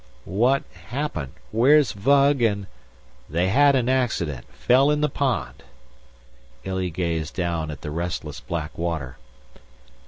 "What happened? Where's Vug and...." "They had an accident. Fell in the pond." Illy gazed down at the restless black water.